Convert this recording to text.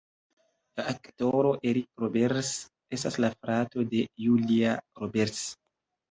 La aktoro Eric Roberts estas la frato de Julia Roberts.